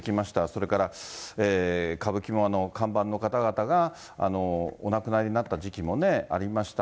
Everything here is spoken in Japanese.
それから歌舞伎も看板の方々がお亡くなりになった時期もね、ありました。